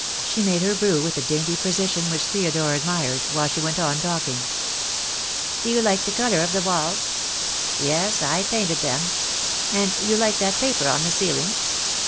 She made her brew with a dainty precision which Theodore admired, while she went on talking. "Do you like the colour of the walls? Yes, I painted them. And you like that paper on the ceiling?